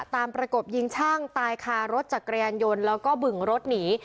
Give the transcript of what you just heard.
ประกบยิงช่างตายคารถจักรยานยนต์แล้วก็บึงรถหนี